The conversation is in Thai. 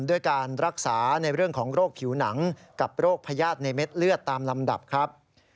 ด้วยการรักษาในเรื่องของโรคผิวหนังกับโรคพญาติในเม็ดเลือดตามลำดับครับ